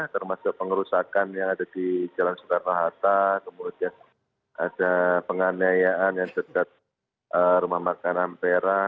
termasuk pengerusakan yang ada di jalan sutera rahata kemudian ada penganiayaan yang terdekat rumah makan ampera